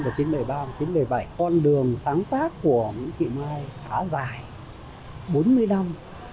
con đường sáng tác của nguyễn thị mai khá dài bốn mươi năm